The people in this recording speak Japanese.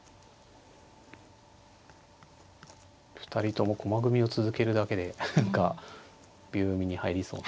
２人とも駒組みを続けるだけで何か秒読みに入りそう。